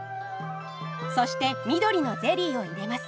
そして緑のゼリーを入れます。